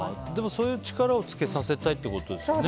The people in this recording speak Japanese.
そういう力をつけさせたいということですよね。